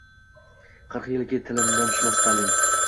Qirq yilki, tilidan tushmas Stalin…